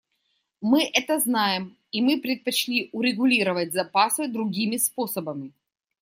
Мы это знаем, и мы предпочли урегулировать запасы другими способами.